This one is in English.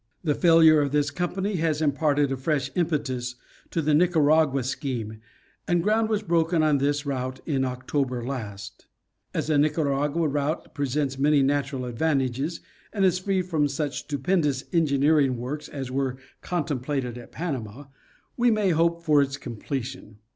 The failure of this company has imparted a fresh impetus to the Nicaragua scheme and ground was broken on this route in October last. As the Nicaragua route presents many natural advantages and is free from such stupendous engineering works as were contemplated at Panama, we may hope for its completion.